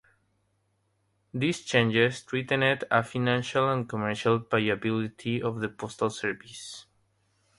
These challenges threatened the financial and commercial viability of the Postal Service.